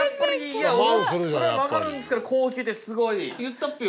いやそれは分かるんですけど高級ってすごい言ったっぺよ。